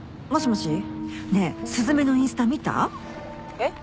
えっ？